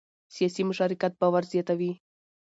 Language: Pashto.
سیاسي مشارکت باور زیاتوي